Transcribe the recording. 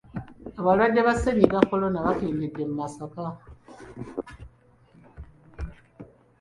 Abalwadde ba ssennyiga kolona bakendedde mu Masaka.